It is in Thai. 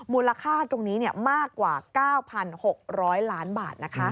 มูลค่าตรงนี้มากกว่า๙๖๐๐ล้านบาท